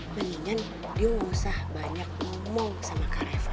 mendingan dio gak usah banyak ngomong sama kak reva